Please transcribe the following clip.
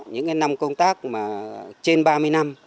những năm công tác trên ba mươi năm